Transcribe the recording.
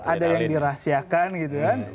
ada yang dirahasiakan gitu kan